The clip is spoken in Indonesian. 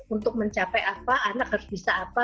untuk mencapai apa anak harus bisa apa